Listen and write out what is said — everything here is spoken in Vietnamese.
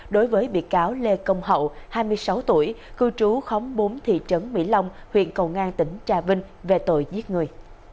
đối với bị cáo lê công hậu hai mươi sáu tuổi cư trú khóng bốn thị trấn mỹ long huyện cầu ngang tỉnh trà vinh về tội giết người